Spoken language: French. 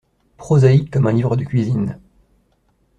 Prosaïque comme un livre de cuisine !